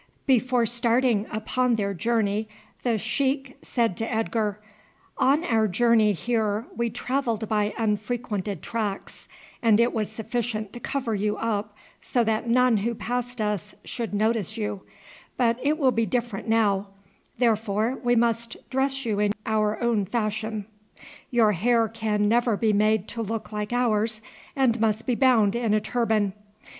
Before starting upon their journey the sheik said to Edgar, "On our journey here we travelled by unfrequented tracks, and it was sufficient to cover you up so that none who passed us should notice you; but it will be different now, therefore we must dress you in our own fashion. Your hair can never be made to look like ours and must be bound in a turban.